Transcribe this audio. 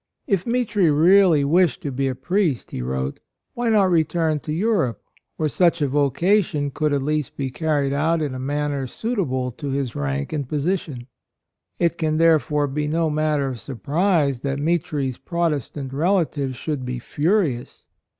If Mitri really wished to be a priest, he wrote, why not return to Europe, where such AND M OTHER. 65 a vocation could at least be carried out in a manner suit able to his rank and position? It can, therefore, be no matter of surprise that Mitri's Protes tant relatives should be furious.